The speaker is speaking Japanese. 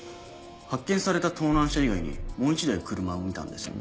発見された盗難車以外にもう１台車を見たんですよね？